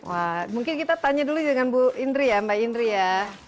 wah mungkin kita tanya dulu dengan bu indri ya mbak indri ya